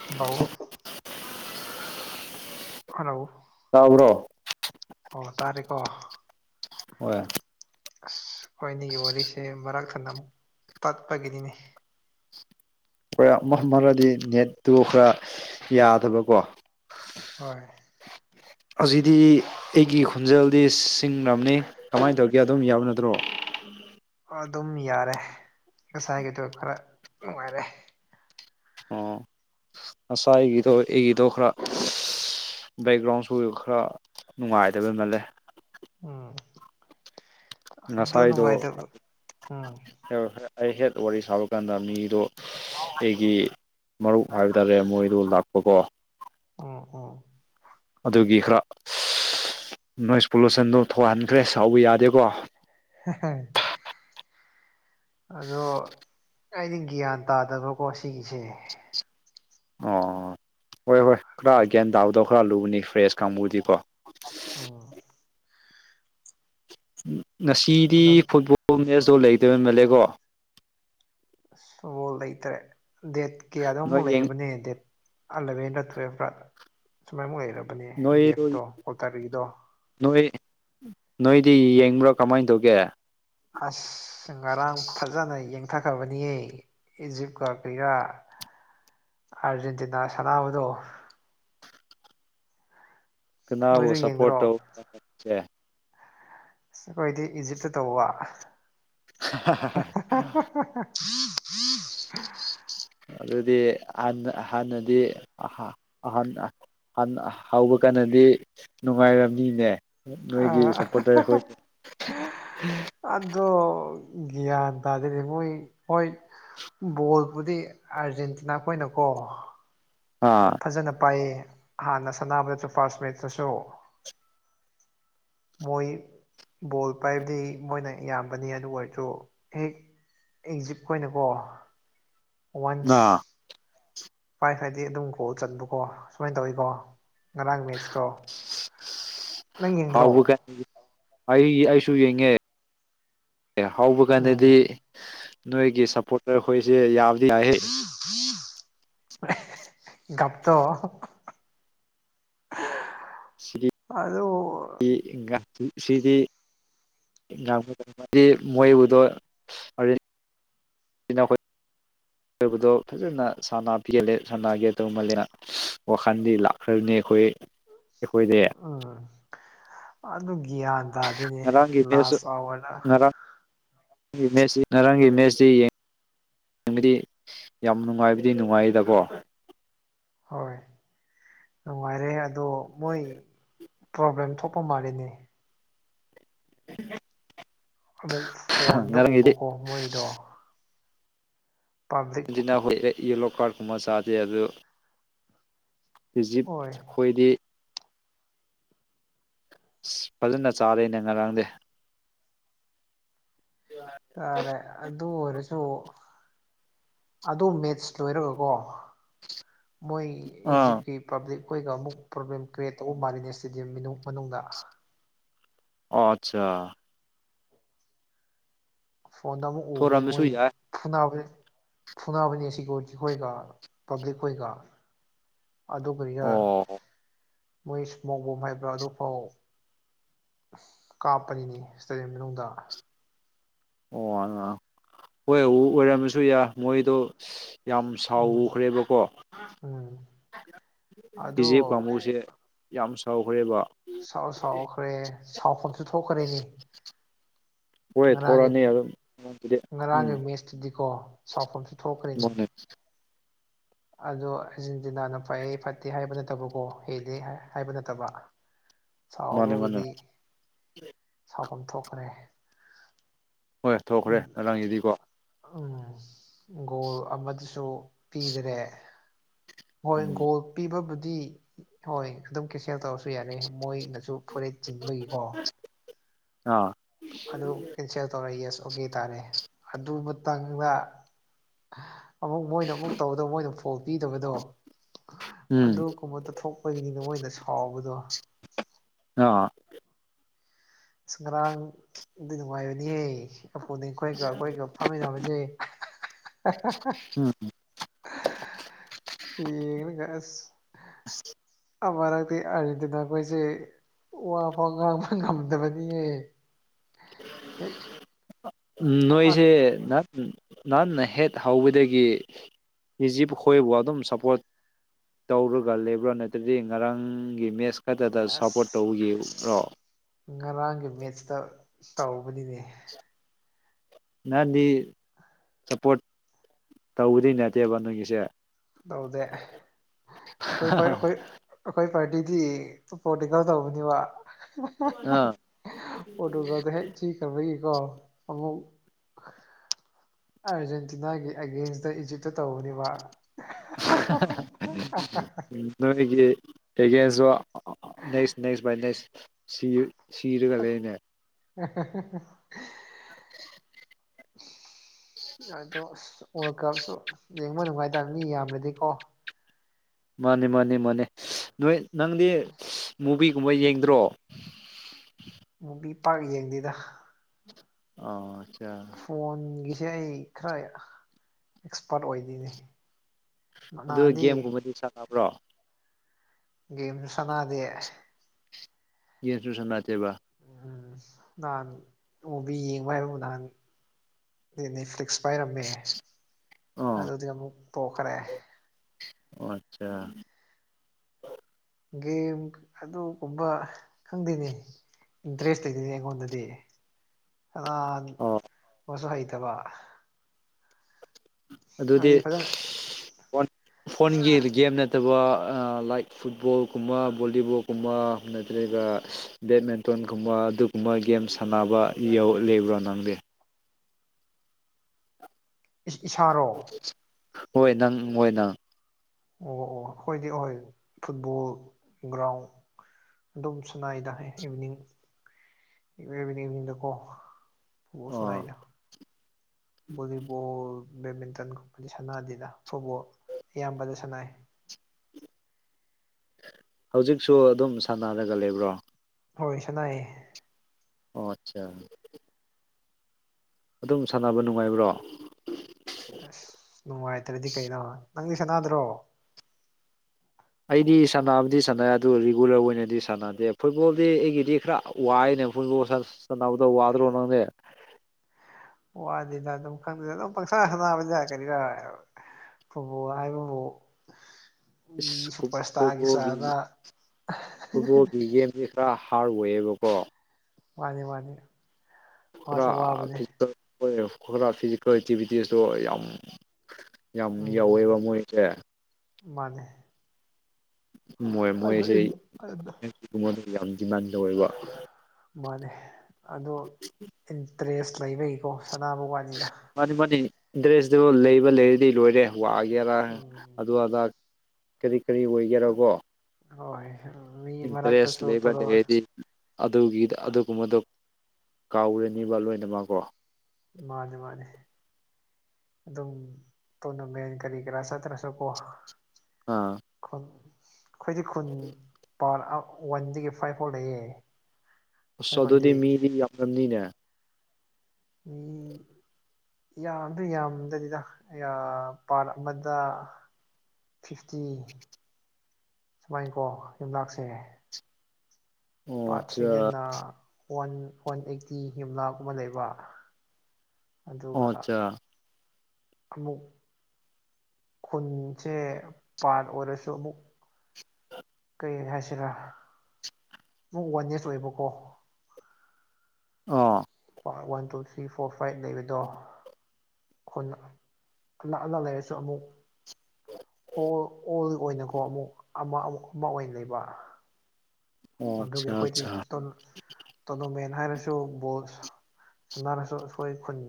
[unintelligible] hello ꯇꯥꯕ꯭ꯔꯣ ꯑꯣ ꯇꯥꯔꯦꯀꯣ ꯍꯣꯏ ꯑꯁ ꯍꯣꯏꯅꯤꯒꯤ ꯋꯥꯔꯤꯁꯦ ꯃꯔꯛꯊꯠꯅꯥꯃꯨꯛ ꯇꯠꯄꯒꯤꯅꯤꯅꯦ ꯑꯩꯈꯣꯏ [unintelligible] ꯅꯦꯠꯇꯨ ꯈꯔ ꯌꯥꯗꯕꯀꯣ ꯍꯣꯏ ꯍꯧꯖꯤꯗꯤ ꯑꯩꯒꯤ ꯈꯣꯟꯖꯦꯜꯗꯤ [unintelligible] ꯀꯃꯥꯏꯅ ꯇꯧꯒꯦ ꯑꯗꯨꯝ ꯌꯥꯕ ꯅꯠꯇ꯭ꯔꯣ ꯑꯗꯨꯝ ꯌꯥꯔꯦ ꯉꯁꯥꯏꯒꯤꯗꯣ ꯈꯔ ꯅꯨꯡꯉꯥꯏꯔꯦ ꯑꯣ ꯉꯁꯥꯏꯒꯤꯗꯣ ꯑꯩꯒꯤꯗꯣ ꯈꯔ ꯑꯁ ꯕꯦꯛꯒ꯭ꯔꯥꯎꯟꯁꯨ ꯈꯔ ꯅꯨꯡꯉꯥꯏꯗꯕꯩ ꯃꯥꯜꯂꯦ ꯎꯝ ꯑꯗꯣ ꯅꯨꯡꯉꯥꯏꯇꯕ ꯎꯝ [unintelligible] ꯑꯩꯍꯦꯛ ꯋꯥꯔꯤ ꯁꯥꯕ ꯀꯥꯟꯗ ꯃꯤꯗꯣ [unintelligible] ꯑꯩꯒꯤ ꯃꯔꯨꯞ ꯍꯥꯏꯕ ꯇꯥꯔꯦ ꯃꯣꯏꯗꯣ ꯂꯥꯛꯄꯀꯣ ꯎꯝ ꯎꯝ ꯑꯗꯨꯒꯤ ꯈꯔ [unintelligible] ꯅꯣꯏꯁ ꯄꯣꯂꯨꯁꯟꯗꯣ ꯊꯣꯛꯍꯟꯈ꯭ꯔꯦ ꯁꯥꯎꯕ ꯌꯥꯗ- ꯍꯥꯍꯪ ꯑꯗꯣ ꯑꯩꯗꯤ ꯒ꯭ꯌꯥꯟ ꯇꯥꯗꯕꯀꯣ ꯁꯤꯒꯤꯁꯦ ꯑꯣ ꯍꯣꯏ ꯍꯣꯏ ꯈꯔ ꯒꯌ꯭ꯥꯟ ꯇꯥꯕꯗꯣ ꯈꯔ ꯂꯨꯕꯅꯤ ꯐ꯭ꯔꯦꯁ ꯀꯥꯡꯕꯨꯗꯤꯀꯣ ꯎꯝ ꯉꯁꯤꯗꯤ ꯑꯗ ꯐꯨꯠꯕꯣꯜ ꯃꯦꯠꯁꯇꯣ ꯂꯩꯇꯕ ꯃꯜꯂꯦꯀꯣ ꯑꯁ ꯐꯨꯠꯕꯣꯜ ꯂꯩꯇꯦ ꯗꯦꯠ ꯀꯌꯥꯗꯅꯣꯝ ꯑꯃꯨꯛ ꯅꯣꯏ ꯂꯩꯔꯕꯅꯦ ꯗꯦꯠ [unintelligible] ꯁꯨꯃꯥꯏꯃꯨꯛ ꯂꯩꯔꯕꯅꯦ ꯅꯣꯏ ꯒꯦꯞꯇꯣ ꯀꯜꯇꯥꯔꯤꯗꯣ ꯅꯣꯏ ꯅꯣꯏꯗꯤ ꯌꯦꯡꯕ꯭ꯔꯥ ꯀꯃꯥꯏꯅ ꯇꯧꯒꯦ ꯑꯁ ꯉꯔꯥꯡ ꯐꯖꯅ ꯌꯦꯡ- ꯊꯈ꯭ꯔꯕꯅꯤꯌꯦ ꯏꯖꯤꯞꯀꯥ [unintelligible] ꯑꯥꯔꯖꯦꯟꯇꯤꯅꯥ ꯁꯥꯟꯅꯥꯕꯗꯣ ꯀꯅꯥꯕꯨ ꯅꯣꯏꯁꯨ ꯁꯥꯄꯣꯔꯠ ꯌꯦꯡꯗ꯭ꯔꯣ ꯇꯧꯕ꯭ꯔꯥ ꯅꯪꯁꯦ ꯑꯁ ꯈꯣꯏꯗꯤ ꯏꯖꯤꯞꯇ ꯇꯧꯕ [unintelligible] ꯑꯗꯨꯗꯤ ꯍꯥꯟꯅ ꯍꯥꯟꯅꯗꯤ [unintelligible] ꯍꯤꯟꯅ ꯍꯧꯕ ꯀꯥꯟꯗꯗꯤ ꯅꯨꯡꯉꯥꯏꯔꯝꯅꯤꯅꯦ ꯅꯣꯏꯒꯤ ꯑꯥ ꯁꯞꯄꯣꯔꯇꯔ ꯑꯩꯈꯣꯏ ꯑꯗꯣ ꯒ꯭ꯌꯥꯟ ꯇꯥꯗꯅꯦ ꯃꯣꯏ ꯍꯣꯏ ꯕꯣꯜꯕꯨꯗꯤ ꯑꯥꯔꯖꯦꯟꯇꯤꯅꯥ ꯈꯣꯏꯅꯀꯣ ꯑꯥ ꯐꯖꯅ ꯄꯥꯏꯌꯦ ꯍꯥꯟꯅ ꯁꯅꯥꯃꯗ ꯇꯨ ꯐꯥꯔꯁ ꯃꯤꯠꯇꯁꯨ ꯃꯣꯏ ꯕꯣꯜ ꯄꯥꯏꯕꯗꯤ ꯃꯣꯏꯅ ꯌꯥꯝꯕꯅꯤ ꯑꯗꯨ ꯑꯣꯏꯔꯁꯨ ꯍꯦꯛ ꯏꯖꯤꯞꯈ ꯑꯣꯏꯅꯀꯣ ꯋꯥꯟꯁ ꯑꯥ ꯄꯥꯏꯈꫪꯗꯤ ꯑꯗꯨꯝ ꯒꫭꯜ ꯆꯟꯕꯀꯣ ꯁꯨꯃꯥꯏꯅ ꯇꯧꯋꯀꯣ ꯉꯔꯥꯡ ꯃꯦꯠꯁꯇꯣ ꯅꯪ ꯌꯦꯡꯗ꯭ꯔꯣ ꯍꯥꯎꯕ ꯀꯥꯟ ꯑꯩ ꯑꯩꯁꯨ ꯌꯦꯡꯉꯦ ꯑꯦ ꯍꯧꯕꯀꯥꯟꯗꯗꯤ ꯎꯝ ꯅꯣꯏꯒꯤ ꯁꯞꯄꯣꯔꯇꯔ ꯈꯣꯏꯁꯦ ꯌꯥꯕꯗꯤ [unintelligible] ꯗꯞꯇꯣ ꯁꯤꯒꯤ [unintelligible] ꯁꯤꯗꯤ [unintelligible] ꯃꯣꯏꯕꯨꯗꯣ [unintelligible] ꯏꯅꯥꯎꯈꯣꯏ ꯑꯔꯣꯏꯕꯗꯣ ꯐꯖꯅ ꯁꯅꯥ ꯍꯦꯜꯂꯦ ꯁꯅꯥꯒꯦ ꯇꯧ [unintelligible] ꯋꯥꯈꯜꯗꯤ ꯂꯥꯛꯈ꯭ꯔꯕꯅꯤ ꯑꯩꯈꯣꯏ ꯑꯩꯈꯣꯏꯗꯤ ꯎꯝ ꯑꯗꯨ ꯒ꯭ꯌꯥꯟ ꯇꯥꯗꯤꯅꯦ ꯉꯔꯥꯡꯒꯤ ꯃꯦꯠꯁ ꯂꯥꯁ ꯑꯋꯥꯔꯗ ꯃꯦꯁꯁꯤ ꯉꯔꯥꯡꯒꯤ ꯃꯦꯠꯁꯁꯤ ꯌꯦ ꯅꯪꯗꯤ ꯌꯥꯝ ꯅꯨꯡꯉꯥꯏꯕꯨꯗꯤ ꯅꯨꯡꯉꯥꯏꯗꯀꯣ ꯍꯣꯏ ꯅꯨꯡꯉꯥꯏꯔꯦ ꯑꯗꯣ ꯃꯣꯏ ꯄ꯭ꯔꯣꯕ꯭ꯂꯦꯝ ꯊꯣꯛꯄ ꯃꯥꯜꯂꯤꯅꯦ [inaudible] ꯑꯃꯨꯛ ꯐꯣꯟꯗ ꯉꯔꯥꯡꯒꯤꯗꯤ ꯎꯕꯀꯣ ꯃꯣꯏꯗꯣ ꯄꯥꯕ꯭ꯂꯤꯛ [unintelligible] ꯌꯦꯂꯣ ꯀꯥꯔꯠꯀꯨꯝꯕ ꯆꯥꯗꯦ ꯑꯗꯨ ꯏꯖꯤꯞ ꯑꯣꯏ ꯈꯣꯏꯗꯤ ꯑꯁ ꯐꯖꯅ ꯆꯥꯔꯦꯅꯦ ꯉꯔꯥꯡꯗꯤ [unintelligible] ꯑꯔꯦ ꯑꯗꯨ ꯑꫭꯏꯔꯁꯨ ꯑꯗꯨ ꯃꯦꯠꯁ ꯂꯣꯏꯔꯒꯀꯣ ꯃꯣꯏ ꯑꯥ ꯏꯖꯤꯞꯀꯤ ꯄꯥꯕ꯭ꯂꯤꯛ ꯈꯣꯏꯒ ꯑꯃꯨꯛ ꯄ꯭ꯔꯣ꯭ꯂꯦꯝ ꯀ꯭ꯔꯤꯌꯦꯠ ꯇꯧꯕ ꯃꯥꯜꯂꯤꯅꯦ ꯏꯁꯇꯦꯗꯤꯌꯝ ꯃꯅꯨꯡꯗ ꯑꯣ ꯑꯠꯆꯥ ꯐꯣꯟꯗ ꯑꯃꯨꯛ ꯎꯕꯅꯦ ꯊꯣꯔꯝꯕꯁꯨ ꯃꯣꯏ ꯌꯥꯏ ꯐꯨꯅꯕꯅꯦ ꯐꯨꯅꯕꯅꯦ ꯁꯦꯀ꯭ꯌꯨꯔꯤꯇꯤ ꯈꯣꯏꯒ ꯄꯕ꯭ꯂꯤꯛ ꯈꯣꯏꯒ ꯑꯗꯨꯒ [unintelligible] ꯑꯣ ꯃꯣꯏ ꯏꯁꯃꯣꯛ ꯕꯣꯝ ꯍꯥꯏꯕ꯭ꯔꯥ ꯑꯗꯨꯐꯥꯎ ꯀꯥꯞꯄꯅꯤꯅꯤ ꯏꯁꯇꯦꯗꯤꯌꯝ ꯃꯅꯨꯡꯗ ꯑꯣ ꯑ ꯍꯣꯏ ꯎ ꯑꯣꯏꯔꯝꯃꯁꯨ ꯌꯥꯏ ꯃꯣꯏꯗꯣ ꯌꯥꯝ ꯁꯥꯎ ꯎꯝ ꯎꯈ꯭ꯔꯦꯕꯀꯣ ꯎꯝ ꯑꯗꯣ ꯏꯤꯖꯤꯞ ꯀꯥꯡꯕꯨꯁꯦ ꯌꯥꯝ ꯁꯥꯎꯈ꯭ꯔꯦꯕ ꯁꯥꯎ ꯁꯥꯎꯈ꯭ꯔꯦ ꯁꯥꯎꯐꯝꯁꯨ ꯊꯣꯛꯈ꯭ꯔꯦꯅꯤ ꯍꯣꯏ ꯉꯔꯥꯡꯒꯤ ꯊꯣꯔꯛꯑꯅꯤ ꯑꯗꯨꯝ ꯑꯩꯉꯣꯟꯗꯗꯤ ꯉꯔꯥꯡꯒꯤ ꯎꯝ ꯃꯦꯠꯁꯇꯨꯗꯤꯀꯣ ꯁꯥꯎꯐꯝꯁꯨ ꯊꯣꯛꯈ꯭ꯔꯤꯅꯤ ꯃꯥꯅꯦ ꯑꯗꯣ ꯑꯔꯖꯦꯟꯇꯤꯅꯥꯅ ꯐꯩ ꯐꯠꯇꯦ ꯍꯥꯏꯕ ꯅꯠꯇꯕꯀꯣ ꯍꯦꯜꯂꯤ ꯍꯥꯏꯕ ꯅꯠꯇꯕ ꯃꯥꯅꯦ ꯃꯥꯅꯦ ꯁꯥꯎꯕꯒꯤꯗꯤ ꯁꯥꯐꯝ ꯊꯣꯛꯈ꯭ꯔꯦ ꯍꯣꯏ ꯊꯣꯛꯈ꯭ꯔꯦ ꯉꯔꯥꯡꯒꯤꯗꯤꯀꯣ ꯎꯝ ꯒꯣꯜ ꯑꯃꯗꯨꯁꯨ ꯄꯤꯗꯔꯦ ꯍꯣꯏ ꯎꯝ ꯒꯣꯜ ꯄꯤꯕꯕꯨꯗꯤ ꯍꯣꯏ ꯑꯗꯨꯝ ꯀꯦꯟꯁꯦꯜ ꯇꯧꯔꯁꯨ ꯌꯥꯅꯤ ꯃꯣꯏꯅꯁꯨ ꯐꯣꯔꯦꯠ ꯆꯤꯡꯕꯒꯤꯀꯣ ꯑꯥ ꯑꯗꯨ ꯀꯦꯟꯁꯦꯜ ꯇꯧꯔꯦ ꯌꯦꯁ ꯑꯣꯀꯦ ꯇꯥꯔꯦ ꯑꯗꯨꯇꯪꯗ ꯑꯃꯨꯛ ꯃꯣꯏꯅ ꯑꯃꯨꯛ ꯇꯧꯕꯗ ꯃꯣꯏꯅ ꯐꯣꯜ ꯄꯤꯗꯕꯗꯣ ꯎꯝ ꯑꯗꯨꯒꯨꯝꯕ ꯇ ꯊꯣꯛ ꯑꯩꯈꯣꯏꯒꯤꯅꯤ ꯃꯣꯏꯅ ꯁꯥꯎꯕꯗꯣ ꯑ ꯑꯁ ꯉꯔꯥꯡꯗꯤ ꯅꯨꯡꯉꯥꯏꯕꯅꯤꯍꯦ ꯑꯣꯄꯣꯅꯦꯟ ꯈꯣꯏꯒ ꯑꯩꯈꯣꯏꯒ ꯐꯝꯃꯤꯟꯅꯕꯁꯦ ꯎꯝ ꯉꯦꯡꯉꯤꯅꯤ ꯉꯁꯥꯢ ꯑꯁ ꯑꯁ ꯑꯃꯔꯛꯇꯤ ꯑꯥꯔꯖꯦꯟꯇꯤꯅꯥ ꯈꯣꯏꯖꯦ ꯋꯥ ꯐꯥꯎ ꯉꯥꯡꯕ ꯉꯝꯗꯕꯅꯤꯌꯦ ꯑꯦ ꯎꯝ ꯅꯣꯏꯁꯦ ꯅ ꯎꯝ ꯅꯥꯟꯅ ꯍꯦꯠ ꯍꯧꯕꯗꯒꯤ ꯏꯖꯤꯞ ꯈꯣꯏꯕꯨ ꯑꯗꯨꯝ ꯁꯞꯄ꯭ꯣꯔ꯭ꯠ ꯇꯧꯔꯒ ꯂꯩꯕ꯭ꯔꯣ ꯅꯠꯇ꯭ꯔꯗꯤ ꯉꯔꯥꯡꯒꯤ ꯃꯦꯠꯁ ꯈꯛꯇꯗ ꯁꯞꯄ꯭ꯣꯔ꯭ꯠ ꯑꯁ ꯇꯧ ꯌꯦꯡ ꯔꯣ ꯉꯔꯥꯡꯒꯤ ꯃꯦꯠꯁꯇ ꯇꯧꯕꯅꯤꯅꯦ ꯅꯥꯗꯤ ꯁꯞꯄ꯭ꯣꯔ꯭ꯠ ꯇꯧꯕꯗꯤ ꯅꯠꯇꯦꯕ ꯅꯣꯏꯒꯤꯁꯦ ꯗꯧꯗꯦ ꯑꯩꯈꯣꯏ [unintelligible] ꯑꯥ ꯑꯈꯣꯏ ꯑꯩꯈꯣꯏ ꯄꯥꯔꯇꯤꯗꯤ ꯄꯣꯂꯤꯇꯤꯀꯦꯜ ꯇꯧꯕꯅꯤꯕ ꯍꯥ ꯄ꯭ꯔꯣꯇꯨꯒꯜꯗꯨ ꯍꯦꯛ ꯆꯤꯈ꯭ꯔꯕꯒꯤꯀꯣ ꯑꯃꯨꯛ ꯑꯥꯔꯖꯦꯟꯇꯤꯅꯥꯒꯤ ꯑꯦꯒꯦꯟꯁꯇ ꯏꯖꯤꯞꯇ ꯇꯧꯕꯅꯦꯕ [unintelligible] ꯅꯣꯏꯅꯤꯒꯤ ꯑꯦꯒꯦꯟꯁꯁꯨ ꯅꯦꯛꯁ ꯅꯦꯛꯁ ꯕꯥꯏ ꯅꯦꯛꯁ ꯁꯤ ꯁꯤꯔꯒ ꯂꯩꯅꯦ [unintelligible] ꯑꯗꯣ ꯑꯁ ꯋꯥꯜꯀꯝꯁꯨ ꯌꯦꯡꯕ ꯅꯨꯡꯉꯥꯏꯇꯝ ꯃꯤ ꯌꯥꯝꯒ꯭ꯔꯗꯤꯀꯣ ꯃꯥꯅꯦ ꯃꯥꯅꯦ ꯃꯥꯅꯦ ꯅꯣꯏ ꯅꯪꯗꯤ ꯃꯨꯚꯤꯒꯨꯝꯕ ꯌꯦꯡꯗ꯭ꯔꯣ ꯃꯨꯕꯤ ꯄ꯭ꯥꯔꯛ ꯌꯦꯡꯗꯦꯗ ꯑꯥ ꯆꯤꯌꯔ ꯐꯣꯟꯒꯤꯁꯦ ꯑꯩ ꯈꯔ ꯑꯦꯛꯁꯄ꯭ꯥꯔ꯭ꯠ ꯑꯣꯏꯗꯤꯅꯦ ꯑꯗꯨ ꯒꯦꯝꯒꯨꯝꯕꯗꯤ ꯁꯥꯟꯅꯕ꯭ꯔꯣ ꯒꯦꯝ ꯁꯥꯟꯅꯗꯦ ꯌꯦꯠꯁꯨꯨ ꯁꯥꯟꯅꯗꯦꯕ ꯎꯝ ꯅꯍꯥꯟ ꯃꯨꯚꯤ ꯌꯦꯡꯕ꯭ꯥꯔ ꯍꯥꯏꯕꯕꯨ ꯅꯍꯥꯟ ꯗꯤ ꯅꯦꯠꯐ꯭ꯂ꯭ꯤꯛꯁ ꯄꯥꯏꯔꯝꯃꯦ ꯑꯣ ꯑꯗꯨꯗꯤ ꯑꯃꯨꯛ ꯇꯣꯛꯈꯔꯦ ꯑꯣ ꯑꯠꯆꯥ ꯒꯦꯝ ꯑꯗꯨꯒꯨꯝꯕ ꯈꯪꯗꯦꯅꯦ ꯏꯟꯇ꯭ꯔꯦꯁ ꯂꯩꯇ‌ꯦꯅꯦ ꯑꯩꯉꯣꯟꯗꯗꯤ ꯑꯥ ꯑꯣ ꯃꯁꯨ ꯍꯩꯇꯕ ꯑꯗꯨꯗꯤ ꯍꯥꯏꯗꯤ ꯐꯖꯅ ꯋꯥꯟ ꯐꯣꯟꯒꯤ ꯗ ꯒꯦꯝ ꯅꯠꯇꯕ ꯑꯥ ꯂ꯭ꯥꯏ꯭ꯛ ꯐꯨꯠꯕꯣꯜ ꯀꯨꯝꯕ ꯕꯣꯜꯂꯤꯕꯣꯜ ꯀꯨꯝꯕ ꯅꯠꯇ꯭ꯔꯒ ꯑ꯭ꯁ ꯕꯦꯠꯃꯤꯟꯇꯣꯟꯒꯨꯝꯕ ꯑꯗꯨꯒꯨꯝꯕ ꯒꯦꯝ ꯁꯥꯟꯅꯕ ꯌꯧ ꯂꯩꯕ꯭ꯔꯣ ꯅꯪꯗꯤ ꯏꯁ ꯏꯁꯥꯔꯣ ꯍꯣꯏ ꯅꯪ ꯃꯣꯏꯅ ꯑꯣ ꯑꯣ ꯑꯩꯈꯣꯏꯗꯤ ꯑꯣꯏ ꯐꯨꯠꯕꯣꯜ ꯒ꯭ꯔ꯭ꯥꯎ꯭ꯟ ꯑꯗꯨꯝ ꯁꯅꯥꯏꯗ ꯑꯩ ꯏꯚꯤꯅꯤꯡ ꯏꯚꯤꯅꯤꯡꯗꯀꯣ ꯕ‌ꯣꯜ ꯑꯣ ꯁꯅꯥꯥꯏꯗ ꯚꯣꯂꯤꯕꯣꯜ ꯕ꯭ꯦꯗꯃꯤꯟꯇꯟꯒꯨꯝꯕꯗꯤ ꯁꯥꯟꯅꯗꯦꯗ ꯐꯨꯠꯕꯣꯜ ꯑꯌꯥꯝꯕꯗ ꯁꯥꯟꯅꯩ ꯍꯧꯖꯤꯛꯁꯨ ꯑꯗꯨꯝ ꯁꯥꯟꯅꯔꯒ ꯂꯩꯕ꯭ꯔꯣ ꯍꯣꯏ ꯁꯥꯟꯅꯩꯌ‌ꯦ ꯑꯣ ꯑꯆꯥ ꯑꯗꯨꯝ ꯁꯥꯟꯅꯕ ꯅꯨꯡꯉꯥꯏꯕ꯭ꯔꯣ ꯑꯁ ꯅꯨꯡꯉꯥꯏꯇ꯭ꯔꯗꯤ ꯀꯩꯅꯣ ꯅꯪꯗꯤ ꯁꯅꯥꯗ꯭ꯔꯣ ꯑꯩꯗꯤ ꯁꯥꯟꯅꯕꯗꯤ ꯁꯥꯟꯅꯩ ꯑꯗꯨ ꯔꯤꯒꯨꯂꯔ ꯑꯣꯏꯅꯗꯤ ꯁꯥꯟꯅꯗꯦ ꯐꯨꯠꯕꯣꯜꯗꯤ ꯑꯩꯒꯤꯗꯤ ꯈꯔ ꯋꯥꯏꯌ‌ꯦꯅꯦ ꯐꯨꯠꯕꯣꯜ ꯁ ꯁꯥꯟꯅꯕꯗꯣ ꯋꯥꯗ꯭ꯔꯣ ꯅꯪꯗꯤ ꯋꯥꯗꯦꯗ ꯑꯗꯨꯝ ꯈꯪꯗꯦ ꯑꯗꯨꯝ ꯄꯪꯁꯥ ꯍꯅꯥ [unintelligible] ꯀꯔꯤꯔꯥ ꯐꯨꯠꯕꯣꯜ ꯍꯥꯏꯕꯕꯨ ꯃꯤ ꯏꯁ ꯁꯨꯄ꯭ꯔ ꯏ꯭ꯁꯇꯥꯔꯒꯤ ꯐꯨꯠꯕꯣꯜꯒꯤ ꯆꯥꯗ ꯔꯥ ꯍꯥꯔ ꯋꯦꯌꯦꯕꯀꯣ ꯃꯥꯅꯤ ꯃꯥꯅꯤ ꯈꯔ ꯋꯥꯁꯨ ꯋꯥꯕꯅꯤ ꯐꯤꯖꯀꯜ ꯑꯣꯏꯌꯦ ꯈꯨꯔ ꯐꯤꯖꯤꯀꯦꯜ ꯑꯦꯛꯇꯤꯚꯤꯇꯤꯁꯇꯣ ꯌꯥꯝ ꯌꯥꯝ ꯎꯝ ꯌꯥꯎꯋꯦꯕ ꯎꯝ ꯃꯣꯏꯁꯦ ꯃꯥꯅꯦ ꯑꯗ [unintelligible] ꯑꯩꯉꯣꯟꯗꯗꯤ ꯌꯥꯝ ꯗꯤꯃꯥꯟ ꯇꯧꯋꯦꯕ ꯃꯥꯅꯦ ꯑꯗꯣ ꯏꯟꯇꯔꯦꯁ ꯂꯩꯕꯩꯀꯣ ꯁꯅꯥꯕ ꯋꯥꯅꯤꯗ ꯃꯥꯅꯤ ꯃꯥꯅꯤ ꯢꯟꯇꯔꯁꯇꯨ ꯂꯩꯕ ꯂꯩꯔꯗꯤ ꯂꯣꯏꯔꯦ ꯋꯥꯒꯦꯔ ꯎꯝ ꯑꯗꯨ ꯑꯗ ꯀꯔꯤ ꯀꯔꯤ ꯑꯣꯏꯒꯦꯔꯥ ꯀꯣ ꯍꯣꯏ ꯃꯤ ꯏꯟꯇꯔ꯭ꯦꯁ ꯃꯔꯛꯇꯁꯨ ꯂꯩꯕꯔ ꯇꯣꯂꯣ ꯂꯩꯔꯗꯤ ꯑꯗꯨꯒꯤꯗ ꯑꯗꯨꯒꯨꯝꯕꯗꯣ ꯀꯥꯎꯔꯅꯤꯕ ꯂꯣꯏꯅꯃꯛꯀꯣ ꯃꯥꯟꯅꯦ ꯃꯥꯟꯅꯦ ꯑꯗꯨꯝ ꯇ꯭ꯣꯔꯅꯃꯦꯟ ꯀꯔꯤ ꯀꯔꯥ ꯆꯠꯇ꯭ꯔꯁꯨ ꯀꯣ ꯑꯥ ꯈꯨꯟ ꯑꯩꯈꯣꯏꯗꯤ ꯈꯨꯟ ꯄꯥꯔꯠ ꯑꯥ ꯋꯥꯟꯗꯒꯤ ꯐ꯭ꯥꯏ꯭ꯚ ꯐꯥꯎ ꯂꯩꯌꯦ ꯎꯁ ꯑꯗꯨꯗꯤ ꯈꯨꯟꯗꯤ ꯃꯤꯗꯤ ꯌꯥꯝꯔꯝꯅꯤꯅꯦ ꯃꯤ ꯌꯥꯝꯗꯤ ꯌꯥꯝꯗꯔꯤꯗ ꯑꯩꯒ ꯄ꯭ꯔꯥꯠ ꯑꯃꯗ ꯐꯤꯐꯇꯤ ꯁꯨꯃꯥꯏꯅꯀꯣ ꯌꯨꯝꯅꯥꯛꯁꯦ ꯑꯣ ꯄꯥꯔꯠ ꯑꯠꯆꯥ ꯊ꯭ꯔꯤꯗꯅ ꯋꯥꯟ ꯋꯥꯟ ꯑꯩꯠꯇꯤ ꯌꯨꯝꯅꯥꯛꯀꯨꯝꯕ ꯂꯩꯕ ꯑꯗꯨꯒ ꯑꯣ ꯑꯆꯥ ꯑꯃꯨꯛ ꯈꯨꯟꯁꯦ ꯄꯥꯔꯠ ꯑꯣꯏꯔꯁꯨ ꯑꯃꯨꯛ [inaudible] ꯀꯔꯤ ꯍꯥꯏꯁꯤꯔꯥ ꯄꯨ ꯋꯥꯟ ꯌ꯭ꯥꯔꯁ ꯑꯣꯏꯕꯀꯣ ꯑꯣ one two three four five ꯂꯩꯕꯗꯣ ꯈꯨꯟ ꯑꯅꯛ ꯑꯅꯛ ꯂꯩꯔꯁꯨ ꯑꯃꯨꯛ ꯑꯣꯜ ꯑꯣꯜꯑꯣꯏꯅꯀꯣ ꯑꯃꯨꯛ ꯑꯃ ꯑꯃꯨꯛ ꯑꯃ ꯑꯣꯏꯅ ꯂꯩꯕ ꯑꯣ ꯑꯗꯨꯒꯤ ꯑꯠꯆꯥ ꯑꯩꯈꯣꯏꯗꯤ ꯑꯠꯆꯥ ꯇꯣꯔꯅꯃꯦꯟ ꯍꯥꯏꯔꯁꯨ ꯕꯣꯜ ꯁꯥꯅꯔꯁꯨ ꯑꯩꯈꯣꯢ ꯈꯨꯟ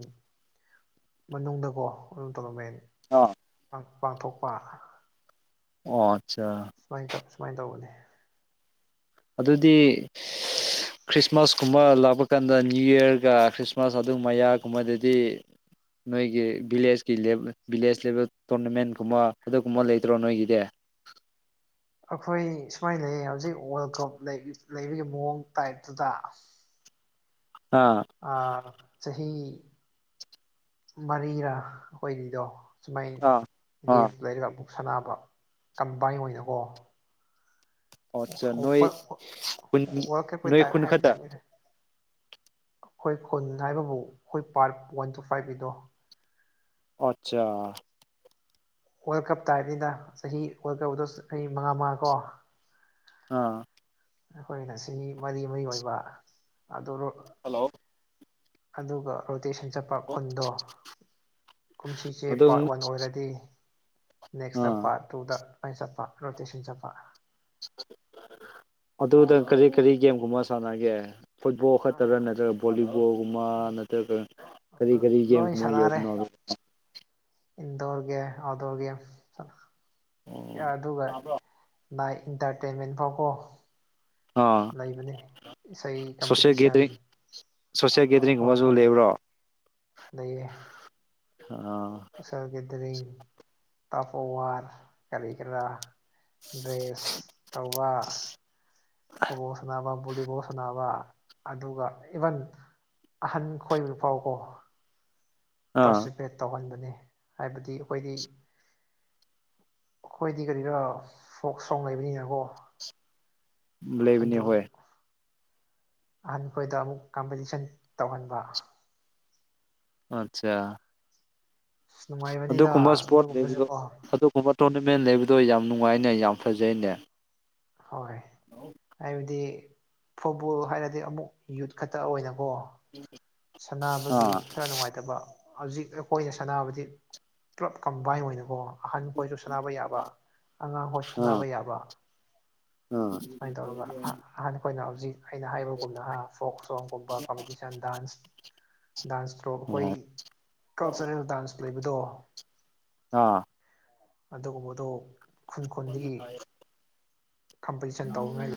ꯃꯅꯨꯡꯗꯀꯣ ꯑꯗꯨꯝ ꯇꯧꯔꯝꯃꯦ ꯑꯥ ꯄꯥꯡꯊꯣꯛꯄ ꯑꯣ ꯑꯆꯥ ꯁꯨꯃꯥꯏꯅ ꯇꯧ ꯁꯨꯃꯥꯏꯅ ꯇꯧꯕꯅꯦ ꯑꯗꯨꯗꯤ [inaudible] ꯈ꯭ꯔꯤꯁꯃꯥꯁ ꯀꯨꯝꯕ ꯂꯥꯛꯄ ꯀꯥꯟꯗ ꯅ꯭ꯌꯨ ꯌꯔꯒ ꯈ꯭ꯔꯤꯁꯃꯥꯁ ꯑꯗꯨ ꯃꯌꯥꯒꯨꯝꯕꯗꯗꯤ ꯅꯣꯏꯒꯤ ꯚꯤꯂꯦꯖꯀꯤ ꯚꯤꯂꯦꯖ ꯂꯦꯚꯦꯜ ꯇꯣꯔꯅꯥꯃꯦꯟ ꯀꯨꯝꯕ ꯑꯗꯨꯒꯨꯝꯕ ꯂꯩꯇ꯭ꯔꯣ ꯅꯣꯏꯒꯤꯗꯤ ꯑꯩꯈꯣꯏ ꯁꯨꯃꯥꯏꯅ ꯂꯩꯌꯦ ꯍꯧꯖꯤꯛ ꯋꯥꯔꯜ ꯀꯞ ꯂꯩꯕꯒꯤ ꯃꯑꯣꯡ ꯇꯥꯏꯞꯇꯨꯗ ꯑꯥ ꯑꯥ ꯆꯍꯤ ꯃꯔꯤꯔꯥ ꯑꯩꯈꯣꯏꯒꯤꯗꯣ ꯁꯨꯃꯥꯏ ꯑꯥ ꯑꯥ ꯒꯦꯐ ꯂꯩꯔꯒ ꯑꯃꯨꯛ ꯁꯅꯕ ꯀꯝꯕꯥꯏꯟ ꯑꯣꯏꯅꯀꯣ ꯑꯠꯆꯥ ꯅꯣꯏ ꯈꯨꯟ [unintelligible] ꯋꯥꯜꯀꯞꯀꯤ ꯅꯣꯏ ꯇꯥꯢꯞ ꯈꯨꯟ ꯍꯥꯕ ꯈꯛꯇ ꯗꯥꯏꯅꯦ ꯑꯩꯈꯣꯏ ꯈꯨꯟ ꯍꯥꯏꯕꯕꯨ ꯑꯩꯈꯣꯏ ꯄꯥꯔꯛ ꯋꯥꯟ ꯇꯨ ꯐꯥꯏꯚꯀꯤꯗꯣ ꯑꯆꯥ ꯋꯥꯔꯜ ꯀꯞꯇ [unintelligible] ꯆꯍꯤ ꯋꯥꯔꯜ ꯀꯞꯗꯣ ꯆꯍꯤ ꯃꯉꯥ ꯃꯉꯥ ꯀꯣ ꯑꯥ ꯑꯩꯈꯣꯏꯅ ꯁꯤꯅꯤ ꯃꯔꯤ ꯃꯔꯤ ꯑꯣꯏꯕ ꯑꯗꯨ ꯍꯜꯂꯣ ꯑꯗꯨꯒ ꯔꯣꯇꯦꯁꯟ ꯆꯠ ꯈꯨꯟꯗꯣ ꯀꯨꯝꯁꯤꯁꯦ ꯑꯗꯨꯝ ꯄꯥꯔꯠ ꯋꯥꯟ ꯑꯣꯏꯔꯗꯤ ꯅꯦꯛꯁꯇ ꯑꯥ ꯄꯥꯔꯠ ꯇꯨꯗ ꯑꯩꯅ ꯆꯠꯄ ꯔꯣꯇꯦꯁꯟ ꯆꯠꯄ ꯑꯗꯨꯗ ꯀꯔꯤ ꯀꯔꯤ ꯒꯦꯝꯒꯨꯝꯕ ꯁꯥꯟꯅꯒꯦ ꯐꯨꯠꯕꯣꯜ ꯈꯛꯇꯔꯥ ꯅꯠꯇ꯭ꯔꯒ ꯚꯣꯂꯤꯕꯣꯜꯒꯨꯝꯕ ꯅꯠꯇ꯭ꯔꯒ ꯀꯔꯤ ꯀꯔꯤ ꯂꯣꯏ ꯒꯦꯝꯒꯨꯝꯕ ꯁꯥꯟꯅꯔꯦ ꯌꯥꯎꯕꯅꯣꯕ ꯏꯟꯗꯣꯔ ꯒꯦꯝ ꯑꯥꯎꯗꯣꯔ ꯒꯦꯝ ꯑꯗꯨꯒ ꯅꯥꯏꯠ ꯏꯟꯇꯔꯇꯦꯟꯃꯦꯟ ꯐꯥꯎꯀꯣ ꯑꯥ ꯂꯩꯕꯅꯤ ꯏꯁꯩ ꯀꯝꯄꯤꯇꯤꯁꯟ ꯁꯣꯁꯌꯦ ꯍꯣꯏ ꯒꯦꯗꯔꯤꯡꯒꯨꯝꯕꯁꯨ ꯍꯣꯏ ꯂꯩꯕ꯭ꯔꯣ [inaudible] ꯑꯥ ꯎꯦꯜꯒꯗꯔꯤꯡ ꯇꯄꯔ ꯀꯔꯤꯒꯔꯥ ꯗ꯭ꯔꯦꯁ ꯇꯧꯕ ꯐꯨꯠꯕꯣꯜ ꯁꯥꯟꯅꯕ ꯕꯣꯂꯤꯕꯣꯜ ꯁꯥꯟꯅꯕ ꯑꯗꯨꯒ ꯏꯚꯟ ꯑꯍꯟ ꯈꯣꯏ ꯐꯥꯎꯀꯣ ꯑꯥ ꯄꯁꯤ ꯐꯦꯠ ꯇꯧꯍꯟꯕꯅꯦ ꯍꯥꯏꯕꯗꯤ ꯑꯩꯈꯣꯏꯗꯤ ꯑꯩꯈꯣꯏꯗꯤ ꯀꯔꯤꯔ‌ ꯐꯣꯛ ꯁꯣꯡ ꯂꯩꯕꯅꯤꯅꯀꯣ ꯂꯩꯕꯅꯦ ꯑꯗꯨ ꯍꯣꯏ ꯑꯍꯟꯈꯣꯏꯗ ꯑꯃꯨꯛ ꯀꯝꯄꯤꯇꯤꯁꯟ ꯇꯧꯍꯟꯕ ꯑꯆꯥ ꯑꯁ ꯅꯨꯡꯉꯥꯏꯕꯅꯤꯗ ꯑꯗꯨꯒꯨꯝꯕ ꯏꯁꯄꯣꯔꯠ ꯂꯩꯕꯗꯣ ꯑꯗꯨꯒꯨꯝꯕꯁꯨꯀꯣ ꯑꯗꯨꯒꯨꯝꯕ ꯇꯣꯔꯅꯃꯦꯟ ꯂꯩꯕꯗꯣ ꯌꯥꯝ ꯅꯨꯡꯉꯥꯏꯅꯦ ꯌꯥꯝ ꯐꯖꯩꯅꯦ ꯍꯣꯏ ꯍꯥꯏꯕꯗꯤ ꯐꯨꯠꯕꯣꯜ ꯍꯥꯏꯔꯗꯤ ꯑꯃꯨꯛ ꯌꯨꯠ ꯈꯛꯇ ꯑꯣꯏꯅꯀꯣ [inaudible] ꯁꯥꯟꯅꯕꯒꯤ ꯑꯥ ꯈꯔ ꯅꯨꯡꯉꯥꯏꯇꯕ ꯍꯧꯖꯤꯛ ꯑꯩꯈꯣꯏꯅ ꯁꯥꯟꯅꯕꯗꯤ ꯄꯨꯂꯞ ꯀꯝꯕꯥꯏ ꯑꯣꯏꯅꯀꯣ ꯑꯍꯟ ꯈꯣꯏꯁꯨ ꯁꯥꯟꯅꯕ ꯌꯥꯕ ꯑꯉꯥꯡꯈꯣꯏꯁꯨ ꯑꯥ ꯁꯥꯟꯅꯕ ꯌꯥꯕ ꯑꯥ ꯁꯨꯃꯥꯏꯅ ꯇꯧꯔꯒ ꯑꯍ ꯑꯍꯥꯟ ꯑꯩꯈꯣꯏꯅ ꯍꯧꯖꯤꯛ ꯑꯩꯅ ꯍꯥꯏꯕꯒꯨꯝꯅꯍ ꯐꯣꯛ ꯁꯣꯡꯒꯨꯝꯕ ꯀꯝꯄꯤꯇꯤꯁꯟ ꯗꯥꯥꯟꯁ ꯗꯥꯟꯁꯇ꯭ꯔꯣ ꯑꯩꯈꯣꯏ ꯀꯜꯆꯔꯦꯜ ꯗꯥꯟꯁ ꯂꯩꯕꯗꯣ ꯑꯥ ꯑꯗꯨꯒꯨꯝꯕꯗꯨ ꯈꯨꯟ ꯈꯨꯟꯗꯒꯤ ꯀꯝꯄꯣꯖꯤꯁꯟ ꯇꯧꯉꯩ